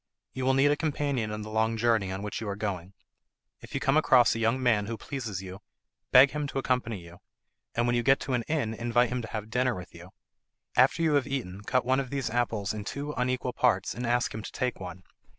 You will need a companion in the long journey on which you are going. If you come across a young man who pleases you beg him to accompany you, and when you get to an inn invite him to have dinner with you. After you have eaten cut one of these apples in two unequal parts, and ask him to take one.